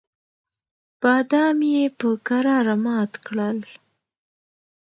بادام یې په کراره مات کړل.